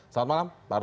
selamat malam pak arsul